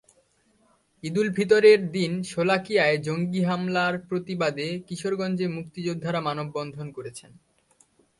ঈদুল ফিতরের দিন শোলাকিয়ায় জঙ্গি হামলার প্রতিবাদে কিশোরগঞ্জে মুক্তিযোদ্ধারা মানববন্ধন করেছেন।